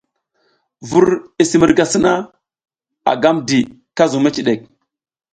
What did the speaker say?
Vur i misi murga sina, a gam di ka zuƞ meciɗek.